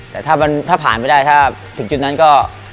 แต่ถ้าผ่านไปได้ถ้าถึงจุดนั้นก็